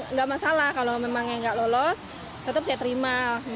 nggak masalah kalau memang yang nggak lolos tetap saya terima